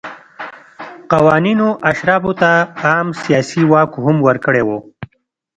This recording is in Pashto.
قوانینو اشرافو ته عام سیاسي واک هم ورکړی و.